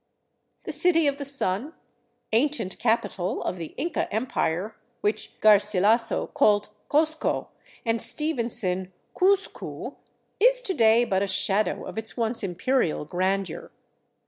The City of the Sun, ancient capital of the Inca Empire, which Garsilaso called Cozco and Stevenson Couzcou, is to day but a shadow of its once imperial grandeur.